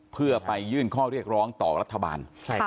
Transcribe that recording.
เพื่อไปยื่นข้อเรียกร้องต่อรัฐบาล